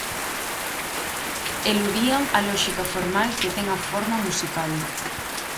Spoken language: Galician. Eludían a lóxica formal que ten a forma musical.